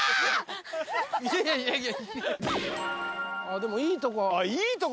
でもいいとこ。